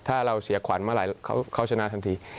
ถ้าเราเสียขวัญเมื่อไหร่เขาชนะทันที